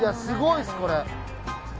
すごいですこれ。